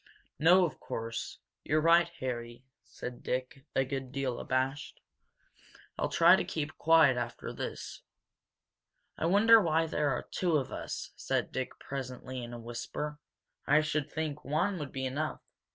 "No, of course not. You're right, Harry," said Dick, a good deal abashed. "I'll try to keep quiet after this." "I wonder why there are two of us," said Dick presently, in a whisper. "I should think one would be enough."